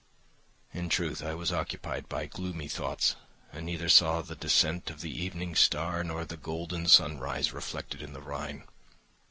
In truth, I was occupied by gloomy thoughts and neither saw the descent of the evening star nor the golden sunrise reflected in the Rhine.